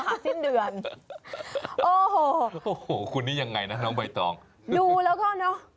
สิ้นเดือนโอ้โหคนนี้ยังไงนะน้องใบตองดูแล้วก็เนอะ